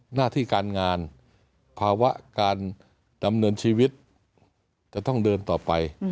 หน้าที่การงานภาวะการดำเนินชีวิตจะต้องเดินต่อไป